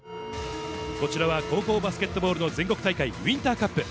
こちらは高校バスケットボールの全国大会、ウインターカップ。